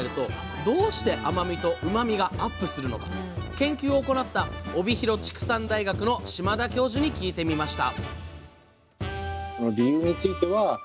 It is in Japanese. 研究を行った帯広畜産大学の島田教授に聞いてみました